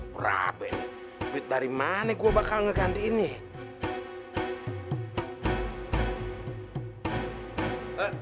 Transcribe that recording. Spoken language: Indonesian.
brabe duit dari mana gue bakal ngegantiin nih